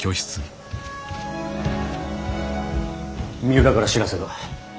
三浦から知らせが。